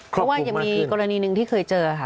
เพราะว่ายังมีกรณีหนึ่งที่เคยเจอค่ะ